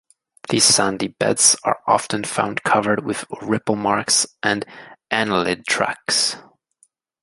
These sandy beds are often found covered with ripple-marks and annelid tracks.